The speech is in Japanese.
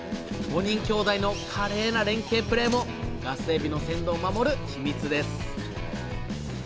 ５人兄弟の華麗な連携プレーもガスエビの鮮度を守る秘密です！